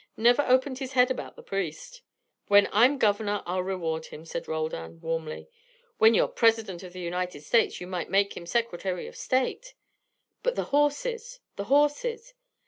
Never opened his head about the priest " "When I'm governor I'll reward him," said Roldan, warmly. "When you're President of the United States you might make him Secretary of State " "But the horses? the horses?"